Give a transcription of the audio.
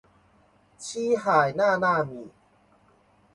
七海娜娜米